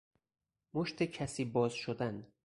مشت کسی باز شدن